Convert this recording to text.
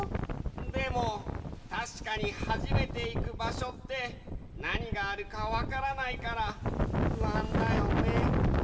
でもたしかに初めていく場所ってなにがあるかわからないから不安だよね。